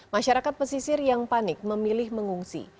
masyarakat pesisir yang panik memilih mengungsi